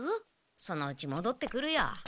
そのうちもどってくるよ。